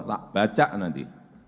tak baca nanti